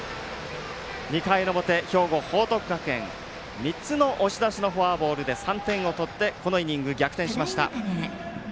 ２回の表、兵庫、報徳学園３つの押し出しのフォアボールで３点を取ってこのイニング、逆転しました。